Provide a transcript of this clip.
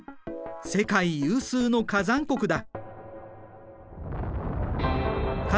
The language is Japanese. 世界有数の火山国だ。